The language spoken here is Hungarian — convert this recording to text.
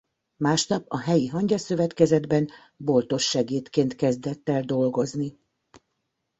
Másnap a helyi Hangya Szövetkezetben boltos segédként kezdett el dolgozni.